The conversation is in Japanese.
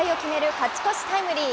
勝ち越しタイムリー。